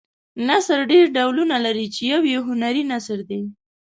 نثر ډېر ډولونه لري چې یو یې هنري نثر دی.